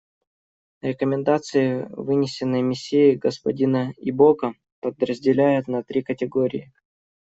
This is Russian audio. Рекомендации, вынесенные Миссией господина Ибока, подразделяются на три категории.